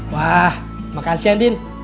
wah makasih ya andin